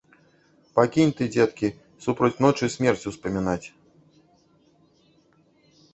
Пакінь ты, дзеткі, супроць ночы смерць успамінаць.